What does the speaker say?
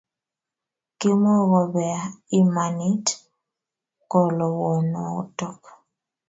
Kimuko bea imanit kilowonotok